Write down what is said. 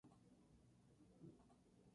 Psychological Bulletin.